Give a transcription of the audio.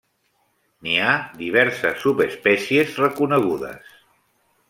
N'hi ha diverses subespècies reconegudes.